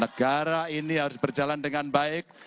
negara ini harus berjalan dengan baik